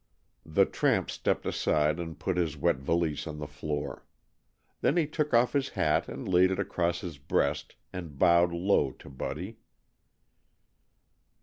The tramp stepped aside and put his wet valise on the floor. Then he took off his hat and laid it across his breast and bowed low to Buddy.